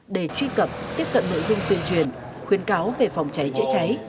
để truy cập tiếp cận nội dung tuyên truyền khuyến cáo về phòng cháy chữa cháy